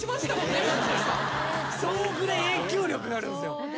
そのぐらい影響力があるんですよ。